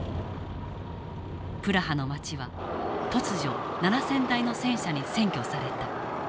プラハの街は突如７，０００台の戦車に占拠された。